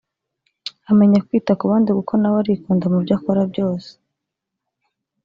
amenya kwita ku bandi kuko nawe arikunda mu byo akora byose